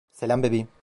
Selam bebeğim.